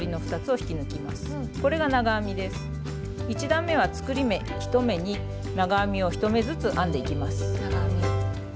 １段めは作り目１目に長編みを１目ずつ編んでいきます。